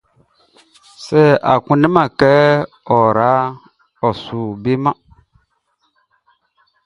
Sɛ a kunndɛman kɛ ɔ raʼn, ɔ su beman.